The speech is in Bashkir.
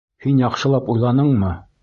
Һин яҡшылап уйланыңмы?